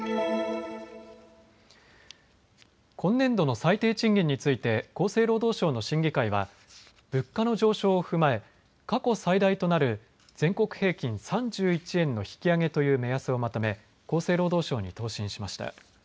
今年度の最低賃金について厚生労働省の審議会は物価の上昇を踏まえ過去最大となる全国平均３１円の引き上げという目安をまとめ厚生労働省に答申しました。